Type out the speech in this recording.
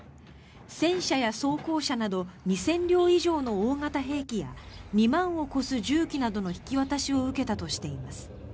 戦車や装甲車など２０００両以上の大型兵器や２万を超す銃器などの引き渡しを受けたとしています。